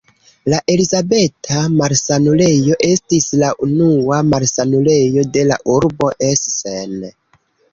La Elizabeta-Malsanulejo estis la unua malsanulejo de la urbo Essen.